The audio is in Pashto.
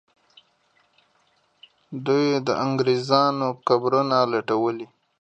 دوی د انګریزانو قبرونه لټولې.